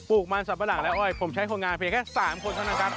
ลูกมันสัมปะหลังและอ้อยผมใช้คนงานเพียงแค่๓คนเท่านั้นครับ